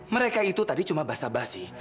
mereka itu tadi cuma basah basi